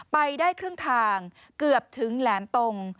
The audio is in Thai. ไปได้ครึ่งทางเกือบถึงแหลมตรง